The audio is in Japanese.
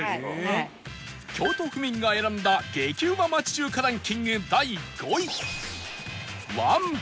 京都府民が選んだ激うま町中華ランキング第５位